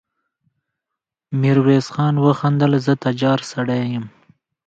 ميرويس خان وخندل: زه تجار سړی يم.